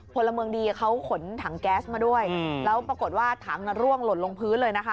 พลเมืองดีเขาขนถังแก๊สมาด้วยแล้วปรากฏว่าถังร่วงหล่นลงพื้นเลยนะคะ